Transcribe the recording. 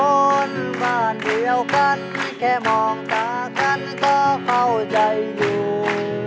คนบ้านเดียวกันแค่มองตากันก็เข้าใจอยู่